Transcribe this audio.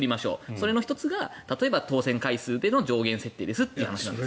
その１つが当選回数での上限設定ですという話で。